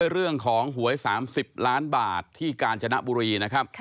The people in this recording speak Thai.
เรื่องของหวย๓๐ล้านบาทที่กาญจนบุรีนะครับ